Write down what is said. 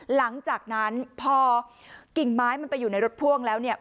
หลังจากนั้นพอกิ่งไม้มันไปอยู่ในรถพ่วงแล้วเนี่ย